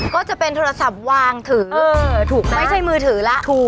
ก็จะเป็นโทรศัพท์วางถือไม่ใช่มือถือล่ะ